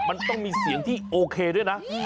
มันต้องมีเสียงที่โอเคด้วยนะ